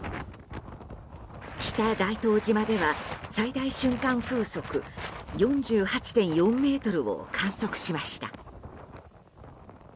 北大東島では最大瞬間風速４８．４メートルを観測しました。